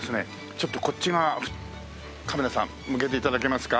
ちょっとこっち側カメラさん向けて頂けますか？